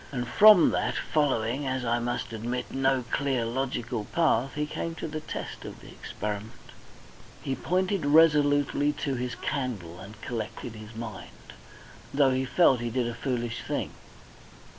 And from that, following, as I must admit, no clear logical path, he came to the test of experiment. He pointed resolutely to his candle and collected his mind, though he felt he did a foolish thing.